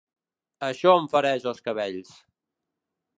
Això em fereix els cabells.